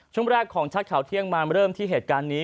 ช่วงแรกของชัดข่าวเที่ยงมาเริ่มที่เหตุการณ์นี้